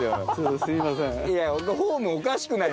すいません。